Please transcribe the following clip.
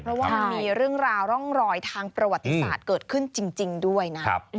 เพราะว่ามันมีเรื่องราวร่องรอยทางประวัติศาสตร์เกิดขึ้นจริงด้วยนะ